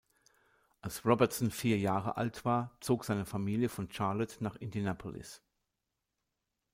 Als Robertson vier Jahre alt war, zog seine Familie von Charlotte nach Indianapolis.